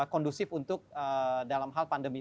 kondusif untuk dalam hal pandemi